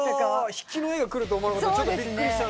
引きの絵がくると思わなかったんでびっくりした。